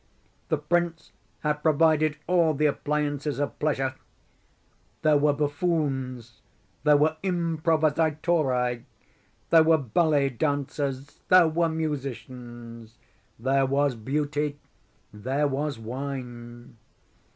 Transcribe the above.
The prince had provided all the appliances of pleasure. There were buffoons, there were improvisatori, there were ballet dancers, there were musicians, there was Beauty, there was wine.